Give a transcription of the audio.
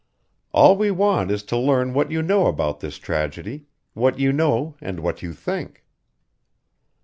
All we want is to learn what you know about this tragedy what you know and what you think."